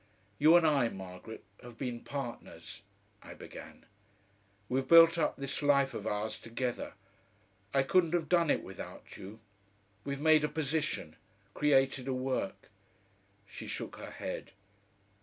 "You and I, Margaret, have been partners," I began. "We've built up this life of ours together; I couldn't have done it without you. We've made a position, created a work " She shook her head.